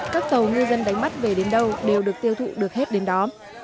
các tàu ngư dân đánh bắt về đến đâu đều được tiêu thụ được hết đến đó